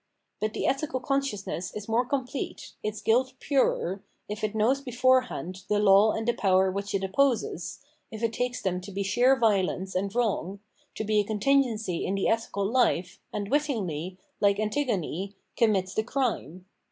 But the etMcal consciousness is more complete, its guilt purer, if it knows beforehand the 408 Phenomenology of Mind law and the power which, it opposes, if it takes them to he sheer violence and wrong, to he a contingency in the ethical life, and wittingly, hke Antigone, commits the crime.